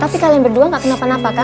tapi kalian berdua gak kenapa napa kan